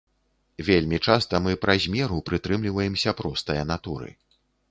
Вельмі часта мы праз меру прытрымліваемся простае натуры.